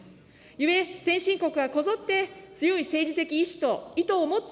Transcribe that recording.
ゆえ、先進国はこぞって強い政治的意志と意図を持って、